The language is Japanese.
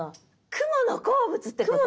雲の好物ってこと？